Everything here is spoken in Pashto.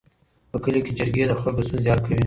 په کلي کې جرګې د خلکو ستونزې حل کوي.